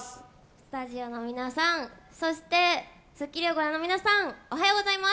スタジオの皆さん、そして『スッキリ』をご覧の皆さんおはようございます。